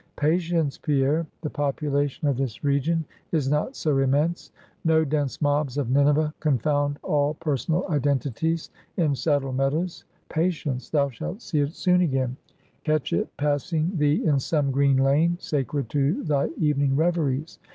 Patience, Pierre, the population of this region is not so immense. No dense mobs of Nineveh confound all personal identities in Saddle Meadows. Patience; thou shalt see it soon again; catch it passing thee in some green lane, sacred to thy evening reveries.